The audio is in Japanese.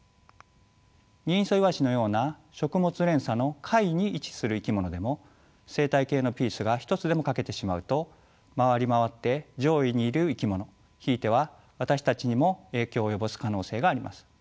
ギンイソイワシのような食物連鎖の下位に位置する生き物でも生態系のピースが一つでも欠けてしまうと回り回って上位にいる生き物ひいては私たちにも影響を及ぼす可能性があります。